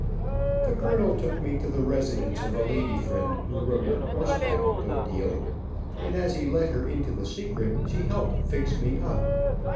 The colonel took me to the residence of a lady friend who rode on horseback a good deal, and as he let her into the secret, she helped fix me up.